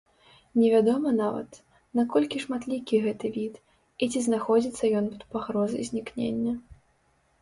Невядома нават, наколькі шматлікі гэты від, і ці знаходзіцца ён пад пагрозай знікнення.